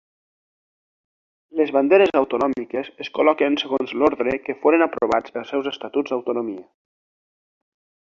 Les banderes autonòmiques es col·loquen segons l'ordre que foren aprovats els seus estatuts d'autonomia.